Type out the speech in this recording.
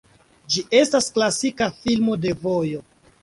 Ĝi estas klasika filmo de vojo.